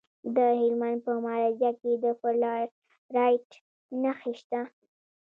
د هلمند په مارجه کې د فلورایټ نښې شته.